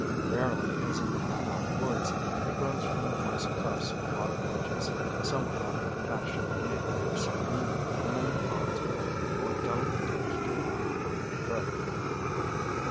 Rarely, as in the Hemlock woods, it grows from the moist clefts of rock ledges, somewhat after the fashion of Maidenhair Spleenwort, and then the fronds are of a more delicate texture and perfect growth.